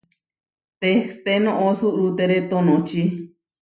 Tehté noʼó suʼrútere tonočí.